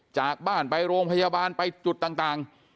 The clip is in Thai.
จากบ้านไปโรงพยาบาลไปจุดต่าง